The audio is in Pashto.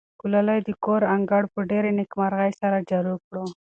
ګلالۍ د کور انګړ په ډېرې نېکمرغۍ سره جارو کړ.